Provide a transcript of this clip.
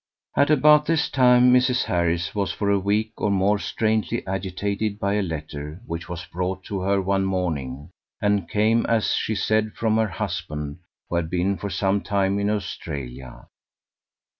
At about this time Mrs. Harris was for a week or more strangely agitated by a letter which was brought to her one morning, and came as she said from her husband, who had been for some time in Australia.